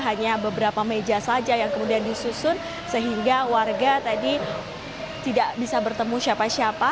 hanya beberapa meja saja yang kemudian disusun sehingga warga tadi tidak bisa bertemu siapa siapa